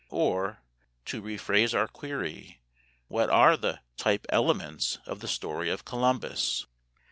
Or, to re phrase our query, what are the "type elements" of the story of Columbus?